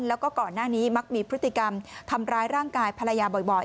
แล้วก็ก่อนหน้านี้มักมีพฤติกรรมทำร้ายร่างกายภรรยาบ่อย